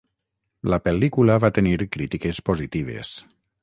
La pel·lícula va tenir crítiques positives.